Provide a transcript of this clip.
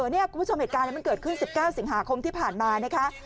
นี่คุณผู้ชมเหตุการณ์มันเกิดขึ้น๑๙สิงหาคมที่ผ่านมานะคะ